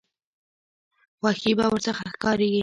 خوښي به ورڅخه ښکاریږي.